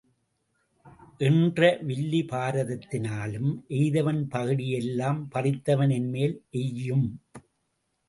என்ற வில்லிபாரதத்தினாலும், எய்தவன் பகடி யெல்லாம் பறித்தவன் என்மேல் எய்யும்.